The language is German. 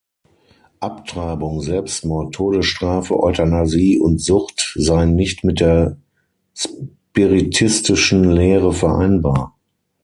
Abtreibung, Selbstmord, Todesstrafe, Euthanasie und Sucht seien nicht mit der spiritistischen Lehre vereinbar.